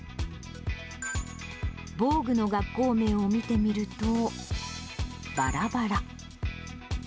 防具の学校名を見てみると、ばらばら。